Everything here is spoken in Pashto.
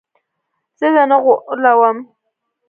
زه دې نه غولوم.